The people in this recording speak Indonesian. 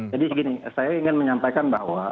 jadi segini saya ingin menyampaikan bahwa